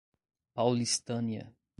Paulistânia